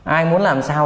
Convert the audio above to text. ai muốn làm sao